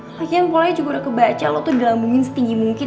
lagian polanya juga udah kebaca lo tuh dilambungin setinggi mungkin